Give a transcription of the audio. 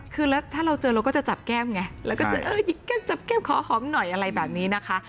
คือแล้วถ้าเราเจอเราก็จะจับแก้มไงแล้วก็เจอเออหยิกแก้มจับแก้มขอหอมหน่อยอะไรแบบนี้นะคะ